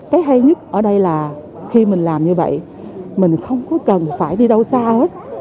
cái hay nhất ở đây là khi mình làm như vậy mình không có cần phải đi đâu xa hết